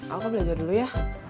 aku belajar dulu ya